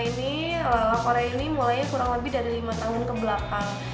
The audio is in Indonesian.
ini ala korea ini mulainya kurang lebih dari lima tahun ke belakang